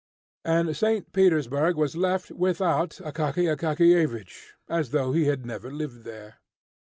And St. Petersburg was left without Akaky Akakiyevich, as though he had never lived there.